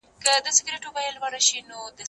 زه به سبا ونې ته اوبه ورکړم،